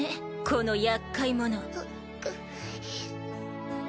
この厄介者うっ